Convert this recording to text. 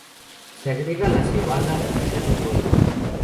Se agrega la cebada y se revuelve.